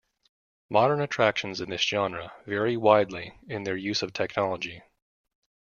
Modern attractions in this genre vary widely in their use of technology.